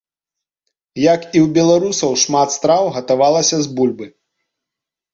Як і ў беларусаў, шмат страў гатавалася з бульбы.